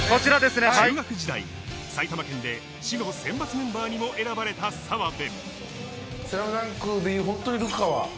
中学時代、埼玉県で市の選抜メンバーにも選ばれた澤部。